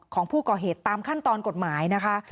ของผู้ก่อเหตุตามขั้นตอนกฎหมายนะคะ